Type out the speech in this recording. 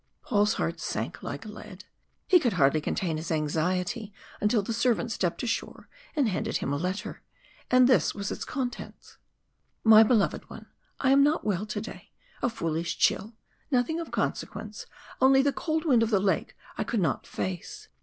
Paul's heart sank like lead. He could hardly contain his anxiety until the servant stepped ashore and handed him a letter, and this was its contents: "My beloved one I am not well to day a foolish chill. Nothing of consequence, only the cold wind of the lake I could not face.